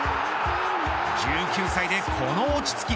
１９歳でこの落ち着き。